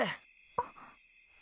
あっ。